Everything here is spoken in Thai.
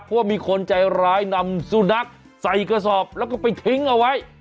เพราะว่ามีคนใจร้ายนำสุนัขใส่กระสอบแล้วก็ไปทิ้งเอาไว้